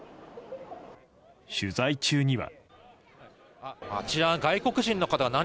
取材中には。